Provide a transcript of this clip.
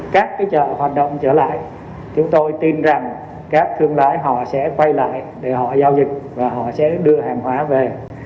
các chợ hoạt động trở lại chúng tôi tin rằng các thương lái họ sẽ quay lại để họ giao dịch và họ sẽ đưa hàng hóa về